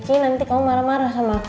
ini nanti kamu marah marah sama aku